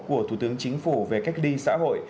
của thủ tướng chính phủ về cách ly xã hội